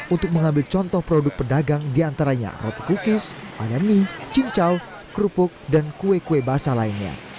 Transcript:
untuk mengambil contoh produk pedagang diantaranya roti kukis ada mie cincau kerupuk dan kue kue basah lainnya